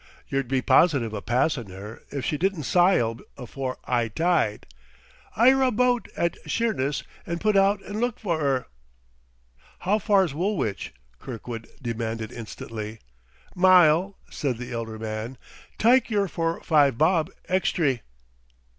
Yer'd be positive o' passin' 'er if she didn't syle afore 'igh tide. 'Ire a boat at Sheerness an' put out an' look for 'er." "How far's Woolwich?" Kirkwood demanded instantly. "Mile," said the elder man. "Tyke yer for five bob extry."